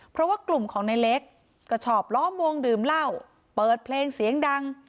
เพราะว่ากลุ่มของในเล็กก็ชอบล้อมวงดื่มเหล้าเปิดเพลงเสียงดัง